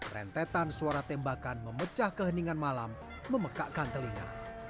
rentetan suara tembakan memecah keheningan malam memekakkan telinga